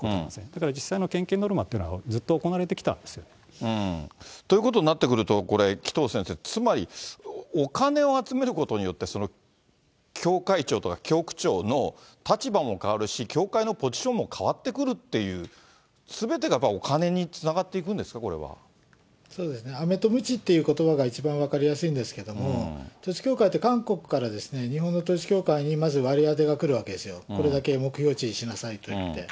だから実際の献金ノルマっていうのは、ずっと行われてきたんですということになってくると、これ、紀藤先生、つまりお金を集めることによって、教会長とか教区長の立場も変わるし、教会のポジションも変わってくるっていう、すべてがお金につながっていくんですか、そうですね、あめとむちということばが一番分かりやすいんですけれども、統一教会って、韓国からですね、日本の統一教会に、まず割り当てがくるわけですよ、これだけ目標値にしなさいといって。